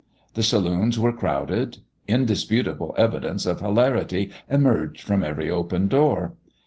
The saloons were crowded. Indisputable evi dence of hilarity emerged from every open door.